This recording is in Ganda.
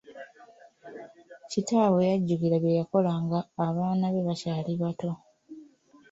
Kitaabwe yajjukira bye yakola nga abaana be bakyali bato.